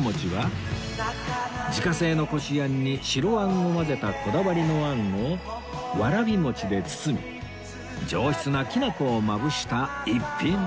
餅は自家製のこしあんに白あんを混ぜたこだわりのあんをわらび餅で包み上質なきな粉をまぶした逸品